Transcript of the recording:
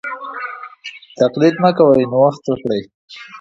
تقليد مه کوئ نوښت وکړئ.